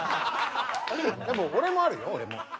でも俺もあるよ俺も。